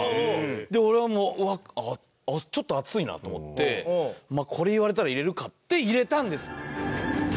で俺はもう「あっちょっと熱いな」と思ってこれ言われたら「入れるか」って入れたんです。